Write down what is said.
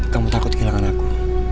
kamu takut kehilangan aku